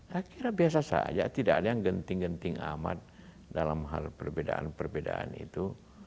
saya kira biasa saja tidak ada yang genting genting amat dalam hal perbedaan perbedaan itu